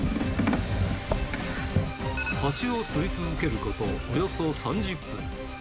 ハチを吸い続けることおよそ３０分。